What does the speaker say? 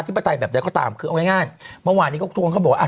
ธิปไตยแบบใดก็ตามคือง่ายเมื่อวานนี้ก็ทุกคนเขาบอก